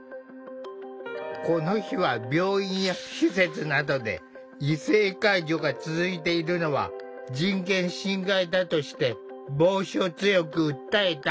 この日は病院や施設などで異性介助が続いているのは人権侵害だとして防止を強く訴えた。